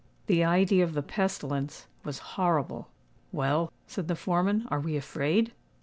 The idea of the pestilence was horrible. "Well," said the foreman, "are we afraid?"